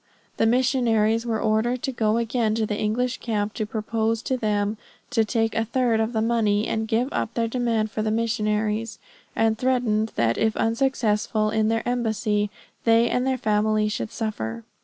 The missionaries were ordered to go again to the English camp, to propose to them to take a third of the money and give up their demand for the missionaries; and threatened that if unsuccessful in their embassy, they and their families should suffer.